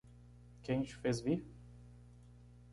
Quem te fez vir?